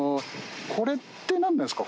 これって何なんですか？